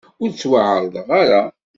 Ur ttwaɛerḍeɣ ara.